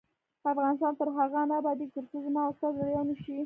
افغانستان تر هغو نه ابادیږي، ترڅو زما او ستا زړه یو نشي.